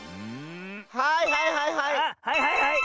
はいはいはいはい！